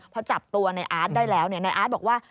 พอจับตัวในอาร์ตได้แล้วนายอาร์ตบอกว่า